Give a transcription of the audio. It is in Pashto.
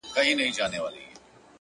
نو گراني تاته په ښكاره نن داخبره كوم”